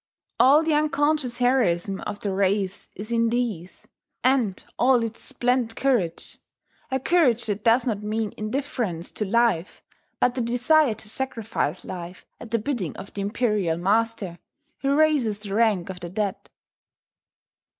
All the unconscious heroism of the race is in these, and all its splendid courage, a courage that does not mean indifference to life, but the desire to sacrifice life at the bidding of the Imperial Master who raises the rank of the dead.